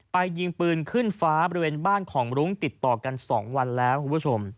ไปยิงปืนขึ้นฟ้าบริเวณบ้านของรุ้งติดต่อกัน๒วันแล้ว